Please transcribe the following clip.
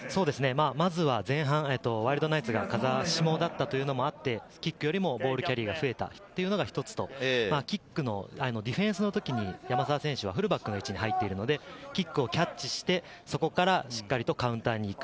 前半、ワイルドナイツが風下だったこともあって、ボールキャリーが増えたということが一つ、ディフェンスの時に山沢選手はフルバックの位置に入っているので、キックをキャッチして、そこからしっかりカウンターに行く。